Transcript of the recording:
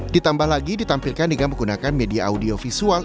ditambah lagi ditampilkan dengan menggunakan media audiovisual